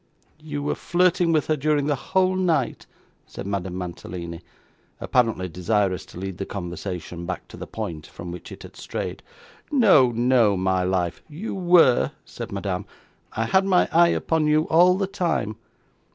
'You were flirting with her during the whole night,' said Madame Mantalini, apparently desirous to lead the conversation back to the point from which it had strayed. 'No, no, my life.' 'You were,' said Madame; 'I had my eye upon you all the time.